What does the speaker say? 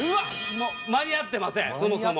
間に合ってませんそもそも。